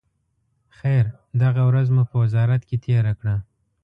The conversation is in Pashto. خیر، دغه ورځ مو په وزارت کې تېره کړه.